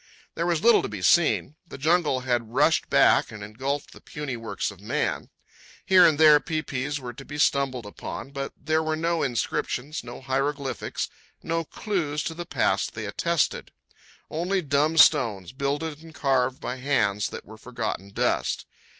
There was little to be seen. The jungle had rushed back and engulfed the puny works of man. Here and there pai pais were to be stumbled upon, but there were no inscriptions, no hieroglyphics, no clues to the past they attested—only dumb stones, builded and carved by hands that were forgotten dust.